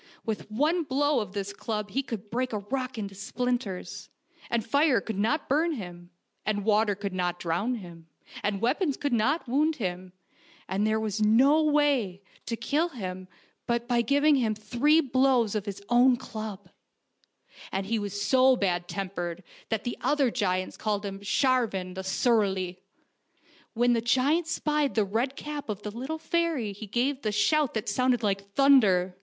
With one blow of this club he could break a rock into splinters, and fire could not burn him, and water could not drown him, and weapons could not wound him, and there was no w r ay to kill him but "lie \v. is \ i TV vid. and tired." . Page H)(> THE FAIRY TREE OF DOOROS 107 by giving him three blows of his own club. And he was so bad tempered that the other giants called him Sharvan the Surly. When the giant spied the red cap of the little fairy he gave the shout that sounded like thunder.